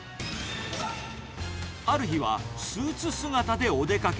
ある日は、スーツ姿でお出かけ。